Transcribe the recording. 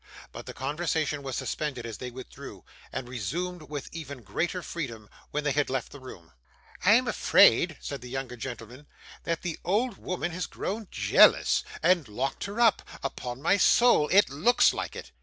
But the conversation was suspended as they withdrew, and resumed with even greater freedom when they had left the room. 'I am afraid,' said the younger gentleman, 'that the old woman has grown jea a lous, and locked her up. Upon my soul it looks like it.